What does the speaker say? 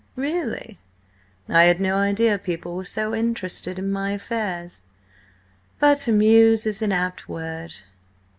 "Really? I had no idea people were so interested in my affairs. But 'amuse' is an apt word."